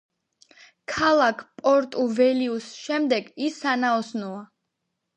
ქალაქ პორტუ-ველიუს შემდეგ ის სანაოსნოა.